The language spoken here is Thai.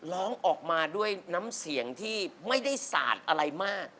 ร้องออกมาด้วยน้ำเสียงที่ไม่ได้สาดอะไรมาก